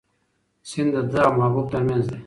سیند د ده او محبوب تر منځ دی.